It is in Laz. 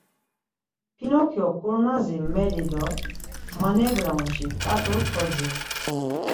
Pinokyok ǩurnazi meli do menabremuşi ǩat̆u kodziru.